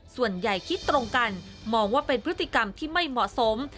คิดตรงกันมองว่าเป็นพฤติกรรมที่ไม่เหมาะสม